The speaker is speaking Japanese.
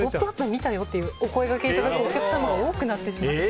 見たよってお声がけいただくお客様も多くなってしまって。